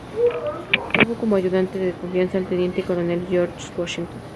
Tuvo como ayudante de confianza al teniente coronel George Washington.